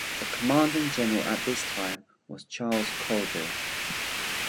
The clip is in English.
The commanding general at this time was Charles Colville.